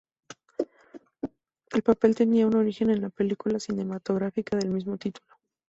El papel tenía su origen en la película cinematográfica del mismo título.